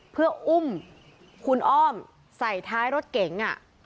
เพื่ออุ้มคุณอ้อมใส่ท้ายรถเก๋ง